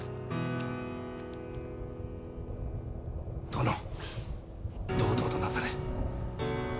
殿、堂々となされ。